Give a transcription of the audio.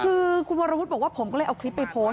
คือคุณวรวุฒิบอกว่าผมก็เลยเอาคลิปไปโพสต์